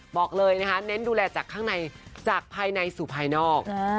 บอกเลยนะคะเน้นดูแลจากข้างในจากภายในสู่ภายนอก